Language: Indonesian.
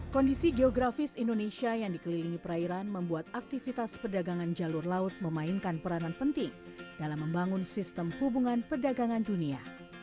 kondisi geografis indonesia yang dikelilingi perairan membuat aktivitas perdagangan jalur laut memainkan peranan penting dalam membangun sistem hubungan perdagangan dunia